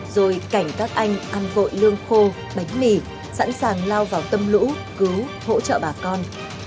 rồi cảnh các anh ăn vội lương khô bánh mì sẵn sàng lao vào tâm lũ cứu hỗ trợ bà con